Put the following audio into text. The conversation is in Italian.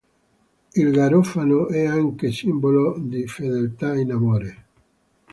Il "Garofano" è anche simbolo di fedeltà in amore.